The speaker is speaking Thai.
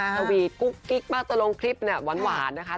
สวีกุ๊กกิ๊กมาตรงคลิปหวานนะคะ